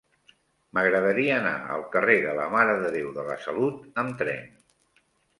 M'agradaria anar al carrer de la Mare de Déu de la Salut amb tren.